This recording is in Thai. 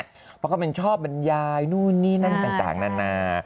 เพราะเขาเป็นชอบบรรยายนู่นนี่นั่นต่างนานา